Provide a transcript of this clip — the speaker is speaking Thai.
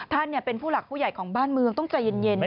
ท่านเป็นผู้หลักผู้ใหญ่ของบ้านเมืองต้องใจเย็น